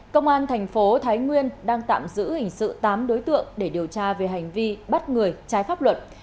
công an thành phố thái nguyên đang tạm giữ hình sự tám đối tượng để điều tra về hành vi bắt người trái pháp luật